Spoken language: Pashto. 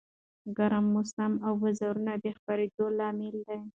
ګرم موسم او بارانونه د خپرېدو لامل دي.